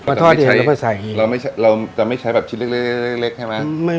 เราจะไม่ใช้แบบชิ้นเล็กเล็กใช่ไหม